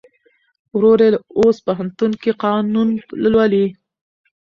ورور یې اوس پوهنتون کې قانون لولي.